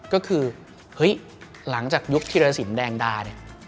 ก็คือหลังจากยุคธิรสินแดงดา